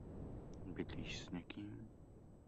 Bydlíš s někým?